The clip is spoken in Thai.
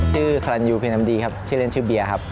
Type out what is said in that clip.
สลันยูเพนน้ำดีครับชื่อเล่นชื่อเบียร์ครับ